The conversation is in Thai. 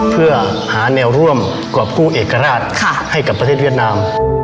เพื่อหาแนวร่วมกรอบกู้เอกราชให้กับประเทศเวียดนาม